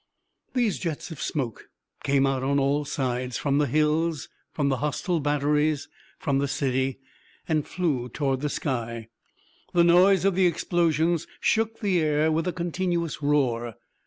These jets of smoke came out on all sides from the hills, from the hostile batteries, from the city and flew toward the sky. The noise of the explosions shook the air with a continuous roar.